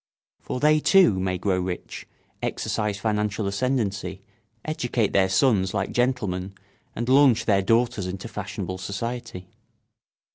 For they too may grow rich, exercise financial ascendancy, educate their sons like gentlemen, and launch their daughters into fashionable society.